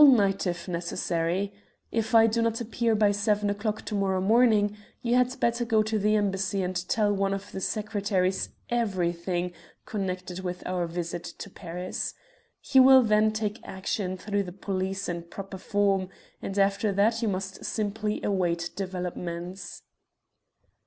"All night, if necessary. If I do not appear by seven o'clock to morrow morning you had better go to the Embassy and tell one of the secretaries everything connected with our visit to Paris. He will then take action through the police in proper form, and after that you must simply await developments."